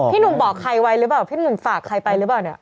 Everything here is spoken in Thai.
หนุ่มบอกใครไว้หรือเปล่าพี่หนุ่มฝากใครไปหรือเปล่าเนี่ย